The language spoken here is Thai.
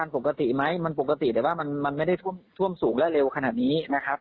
ปกติไหมมันปกติแต่ว่ามันไม่ได้ท่วมสูงและเร็วขนาดนี้นะครับ